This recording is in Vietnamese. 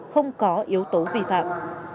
không có yếu tố vi phạm